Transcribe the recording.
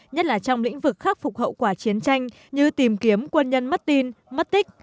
nhất là trong lĩnh vực khắc phục hậu quả chiến tranh như tìm kiếm quân nhân mất tin mất tích